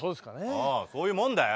おうそういうもんだよ。